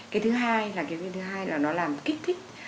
cái thứ hai là cái nguyên thứ hai là nó làm kích thích